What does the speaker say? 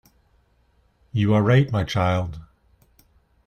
You are right, my child.